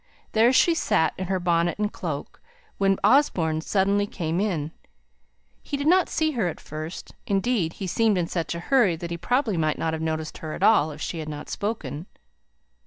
There she sat, in her bonnet and cloak, when Osborne suddenly came in. He did not see her at first; indeed, he seemed in such a hurry that he probably might not have noticed her at all, if she had not spoken.